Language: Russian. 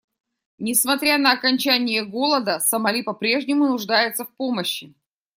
Несмотря на окончание голода, Сомали по-прежнему нуждается в помощи.